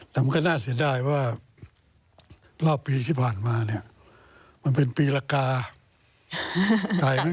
แต่มันก็น่าเสียดายว่ารอบปีที่ผ่านมาเนี่ยมันเป็นปีละกา